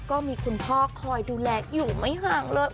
ก็มีคุณพ่อคอยดูแลอยู่ไม่ห่างเลย